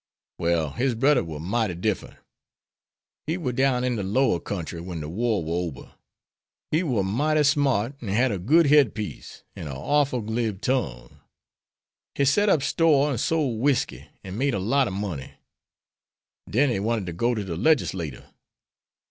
"Well, his brudder war mighty diffrent. He war down in de lower kentry wen de war war ober. He war mighty smart, an' had a good head piece, an' a orful glib tongue. He set up store an' sole whisky, an' made a lot ob money. Den he wanted ter go to de legislatur.